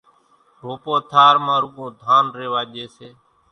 ڀوپو ٿار مان روڳون ڌان ريوا ڄي سي۔